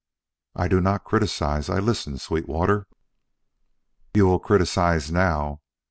"I do not criticise; I listen, Sweetwater." "You will criticise now.